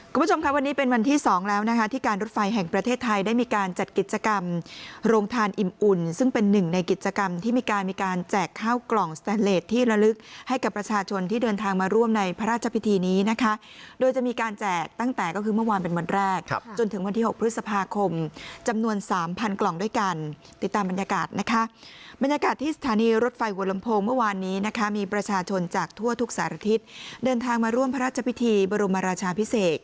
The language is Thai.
คุณผู้ชมครับวันนี้เป็นวันที่สองแล้วนะคะที่การรถไฟแห่งประเทศไทยได้มีการจัดกิจกรรมโรงทานอิ่มอุ่นซึ่งเป็นหนึ่งในกิจกรรมที่มีการมีการแจกข้าวกล่องสแตนเลสที่ละลึกให้กับประชาชนที่เดินทางมาร่วมในพระราชพิธีนี้นะคะโดยจะมีการแจกตั้งแต่ก็คือเมื่อวานเป็นวันแรกจนถึงวันที่หกพฤษ